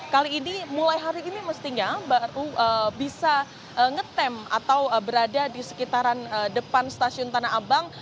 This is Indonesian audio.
kali ini mulai hari ini mestinya baru bisa ngetem atau berada di sekitaran depan stasiun tanah abang